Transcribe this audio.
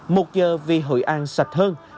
một giờ vì hội an sạch hơn